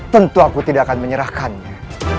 tentu aku tidak akan menyerahkannya